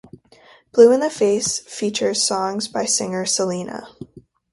"Blue in the Face" features songs by singer Selena.